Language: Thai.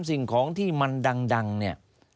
สิ่งของที่มันดังเนี่ย